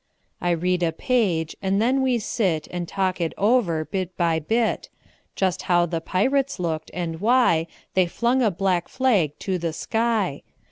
I read a page, and then we sit And talk it over, bit by bit; Just how the pirates looked, and why They flung a black flag to the sky.